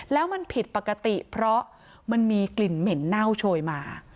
แล้วมันผิดปกติเพราะมันมีกลิ่นเหม็นเน่าโชยมา